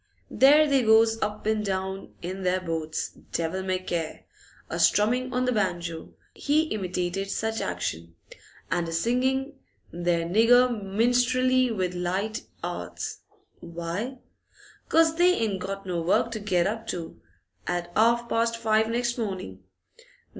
There they goes up an' down in their boats, devil may care, a strumming on the banjo,' he imitated such action, 'and a singing their nigger minstrelsy with light 'earts. Why? 'Cause they ain't got no work to get up to at 'arf past five next morning.